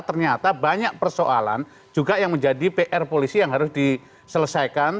ternyata banyak persoalan juga yang menjadi pr polisi yang harus diselesaikan